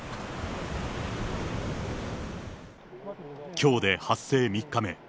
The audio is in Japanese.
きょうで発生３日目。